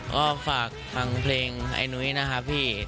ก็ฝากทางเพลงไอ้นุ้ยนะครับพี่